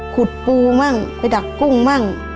ปูมั่งไปดักกุ้งมั่ง